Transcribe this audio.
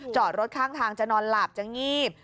จอดรถข้างทางจะนอนหลับจะงีบ